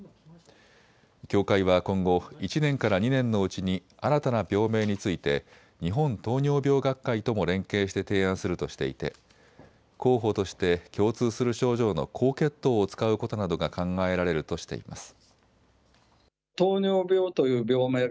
協会は今後、１年から２年のうちに新たな病名について日本糖尿病学会とも連携して提案するとしていて候補として共通する症状の高血糖を使うことなどが考えられるとしています。